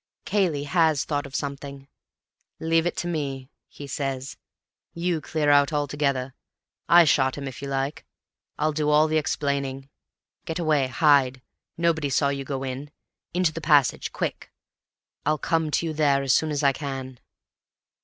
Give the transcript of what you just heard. "Cayley has thought of something. 'Leave it to me,' he says. 'You clear out altogether. I shot him, if you like. I'll do all the explaining. Get away. Hide. Nobody saw you go in. Into the passage, quick. I'll come to you there as soon as I can.